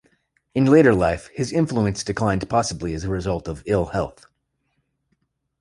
In later life, his influence declined possibly as a result of ill health.